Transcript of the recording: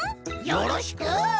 よろしく！